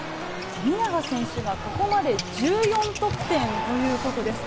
富永選手がここまで１４得点そういうことです。